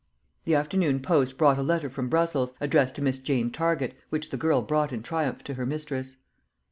The afternoon post brought a letter from Brussels, addressed to Miss Jane Target, which the girl brought in triumph to her mistress.